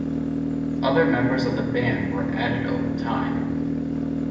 Other members of the band were added over time.